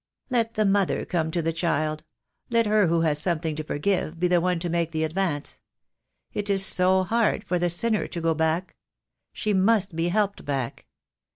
"Let the mother come to the child. Let her who has something to forgive be the one to make the ad vance. It is so hard for the sinner to go back. She must be helped back.